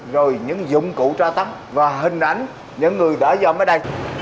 rồi những dụng cụ tra tắng và hình ảnh những người đã vào mới đây